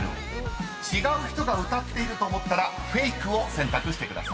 ［違う人が歌っていると思ったらフェイクを選択してください］